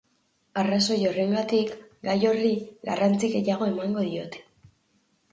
Arrazoi horregatik, gai horri garrantzia gehiago emango diote.